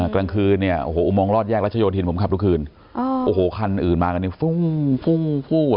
กลางคืนเนี่ยโอ้โหอุโมงรอดแยกรัชโยธินผมขับทุกคืนโอ้โหคันอื่นมากันนี่ฟุ้งฟุ้งฟูอ่ะ